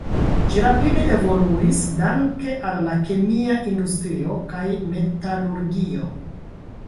Ĝi rapide evoluis danke al la kemia industrio kaj metalurgio.